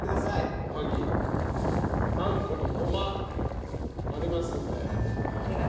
おはぎあんことごまありますんで。